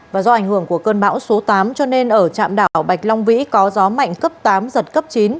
và do ảnh hưởng của cơn bão số tám cho nên ở trạm đảo bạch long vĩ có gió mạnh cấp tám giật cấp chín